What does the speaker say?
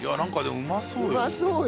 うまそうよ。